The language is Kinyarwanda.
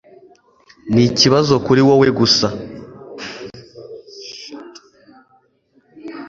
ni ikibazo kuri wewe gusa